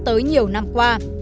tới nhiều năm qua